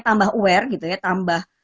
tambah aware gitu ya tambah